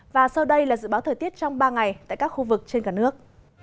và sau đây là dự báo thời tiết trong ba ngày tại các khu vực trên cả nước